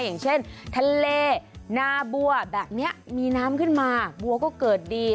อย่างเช่นทะเลนาบัวแบบนี้มีน้ำขึ้นมาบัวก็เกิดดี